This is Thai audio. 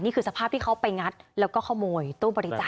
สภาพที่เขาไปงัดแล้วก็ขโมยตู้บริจาค